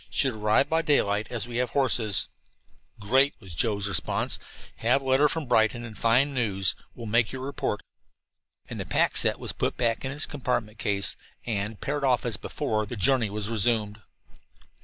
Should arrive by daylight, as we have horses." "Great," was Joe's radio response. "Have letter from Brighton and fine news. Will make your report." And the pack set was put back in its compact case, and, paired off as before, the journey was resumed.